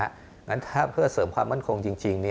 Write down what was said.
อย่างนั้นเพื่อเสริมความมั่นคงจริง